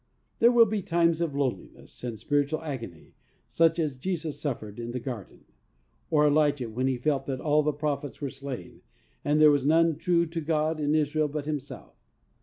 There will be times of loneliness and spiritual agony such as Jesus suffered in the Garden, or Elijah when he felt that all the prophets were slain, and there was none true to God in Israel but himself.